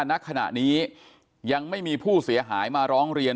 ณขณะนี้ยังไม่มีผู้เสียหายมาร้องเรียน